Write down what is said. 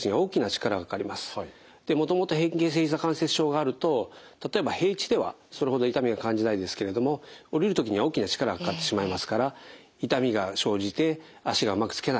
でもともと変形性ひざ関節症があると例えば平地ではそれほど痛みを感じないですけれども下りる時には大きな力がかかってしまいますから痛みが生じて脚がうまくつけない。